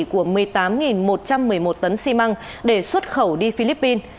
của một mươi tám một trăm một mươi một tấn xi măng để xuất khẩu đi philippines